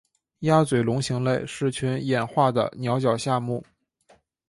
鸭嘴龙形类是群衍化的鸟脚下目。